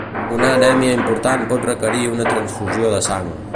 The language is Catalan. Una anèmia important pot requerir una transfusió de sang.